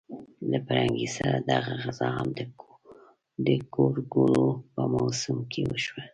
له پرنګي سره دغه غزا هم د ګورګورو په موسم کې وشوه.